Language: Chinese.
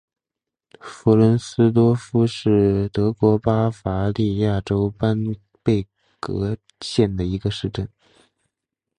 弗伦斯多夫是德国巴伐利亚州班贝格县的一个市镇。